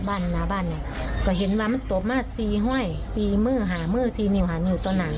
หน้าบ้านเนี่ยก็เห็นว่ามันตกมาสี่ห้อยสี่มือหามือสี่นิ้วหานิ้วตอนไหน